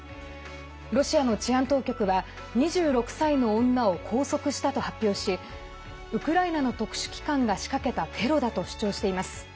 ロシアの治安当局は２６歳の女を拘束したと発表しウクライナの特殊機関が仕掛けたテロだと主張しています。